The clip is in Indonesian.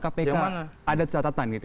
kpk ada catatan